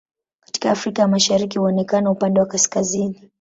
Katika Afrika ya Mashariki huonekana upande wa kaskazini.